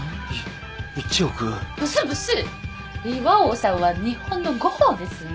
巌さんは日本のゴッホですね。